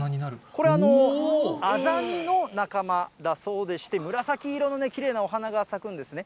これ、アザミの仲間だそうでして、紫色のきれいなお花が咲くんですね。